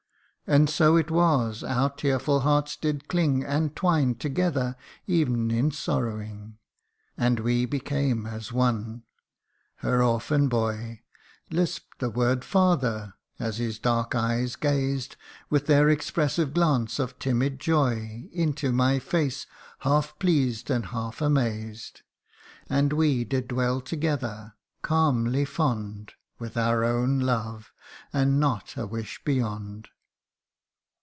And so it was our tearful hearts did cling And twine together ev'n in sorrowing ; And we became as one her orphan boy Lisp'd the word l Father' as his dark eyes gazed, With their expressive glance of timid joy, Into my face, half pleased and half amazed. 46 THE UNDYING ONE. And we did dwell together, calmly fond With our own love, and not a wish beyond.